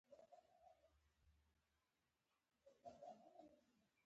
په اصفهان کې يې د قيمتۍ خبرې کولې.